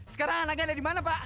sekarang anaknya dimana pak